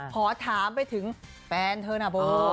ขอถามไปถึงแฟนเธอนะโบ